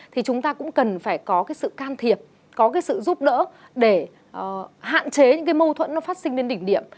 thì chúng ta cũng cần phải có sự can thiệp có sự giúp đỡ để hạn chế những mâu thuẫn phát sinh đến đỉnh điểm